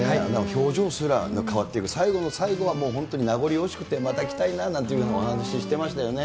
表情すら変わっていく、最後の最後は本当に名残惜しくて、また来たいななんてお話してましたよね。